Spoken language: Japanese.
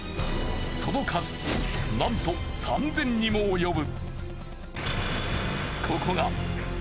その数なんと３，０００にも及ぶ。